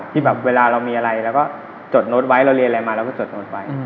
ที่แบบเวลาเรามีอะไรเราก็จดรถไว้เราเรียนอะไรมาเราก็จดรถไว้